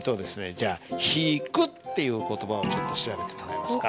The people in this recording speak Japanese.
じゃあ「引く」っていう言葉をちょっと調べてくれますか？